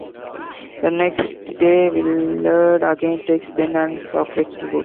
The next day Willard again takes Ben and Socrates to work.